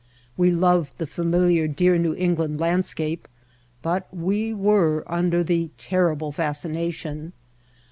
We loved the familiar, dear New England landscape, but we were under the "terrible fascination."